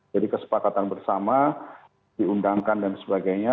jadi kesepakatan bersama diundangkan dan sebagainya